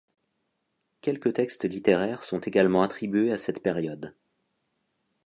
Quelques textes littéraires sont également attribués à cette période.